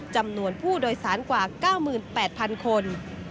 จำนวนผู้โดยสารกว่า๙๘๐๐๐คน